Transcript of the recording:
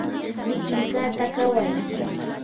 liqliqata qaway